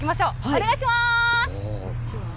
お願いします。